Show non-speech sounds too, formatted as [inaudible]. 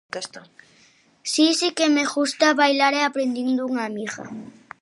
[noise] Si, si que me ghusta bailar e aprendín dunha amigha.